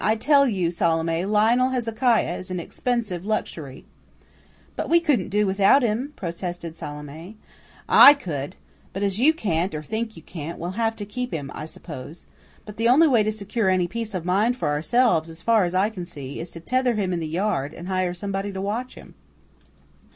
I tell you, Salome, Lionel Hezekiah is an expensive luxury." "But we couldn't do without him," protested Salome. "I could. But as you can't, or think you can't, we'll have to keep him, I suppose. But the only way to secure any peace of mind for ourselves, as far as I can see, is to tether him in the yard, and hire somebody to watch him."